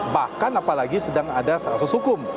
bahkan apalagi sedang ada kasus hukum